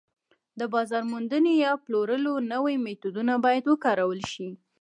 د بازار موندنې یا پلورلو نوي میتودونه باید وکارول شي